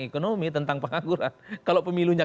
ekonomi tentang pengangguran kalau pemilunya